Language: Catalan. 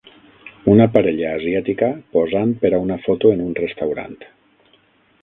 Una parella asiàtica posant per a una foto en un restaurant.